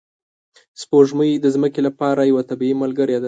سپوږمۍ د ځمکې لپاره یوه طبیعي ملګرې ده